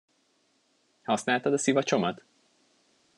Használtad a szivacsomat?